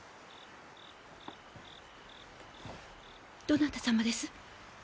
・どなた様です？